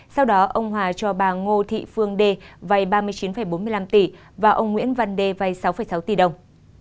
sau đó ông hòa cho bà ngô thị phương đê vay ba mươi chín bốn mươi năm tỷ và ông nguyễn văn đê vay sáu sáu tỷ đồng